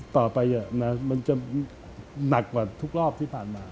ต่อไปมันจะหนักกว่าทุกรอบที่ผ่านมา